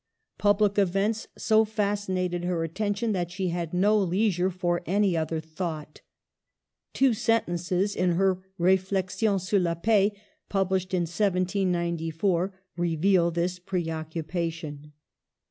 Public events so fascinated her attention that she had no leisure for any other thought. Two sen tences in her Reflexions sur la Paix, published in 1794, reveal this preoccupation.